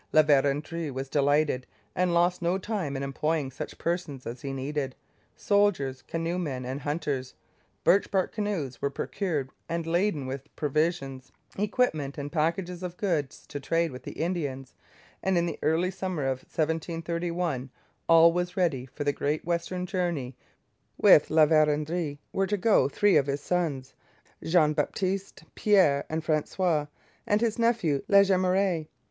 La Vérendrye was delighted and lost no time in employing such persons as he needed soldiers, canoe men, and hunters. Birch bark canoes were procured and laden with provisions, equipment, and packages of goods to trade with the Indians; and in the early summer of 1731 all was ready for the great western journey. With La Vérendrye were to go three of his sons, Jean Baptiste, Pierre, and François, and his nephew La Jemeraye.